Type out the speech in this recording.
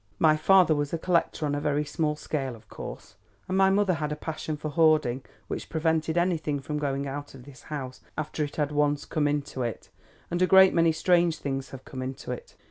"My father was a collector, on a very small scale of course, and my mother had a passion for hoarding which prevented anything from going out of this house after it had once come into it, and a great many strange things have come into it.